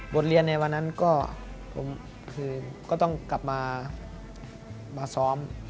บทเรียนในวันนั้นก็ต้องกลับมาซ้อม